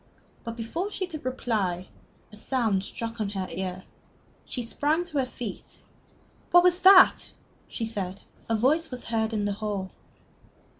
But before she could reply, a sound struck on her ear. She sprang to her feet. "What was that?" she said. A voice was heard in the hall.